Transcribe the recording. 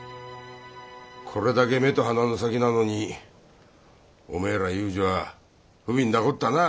これだけ目と鼻の先なのにおめえら遊女は不憫なこったなあ。